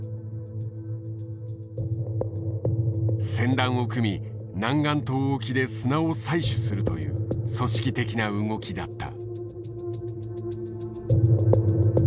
船団を組み南竿島沖で砂を採取するという組織的な動きだった。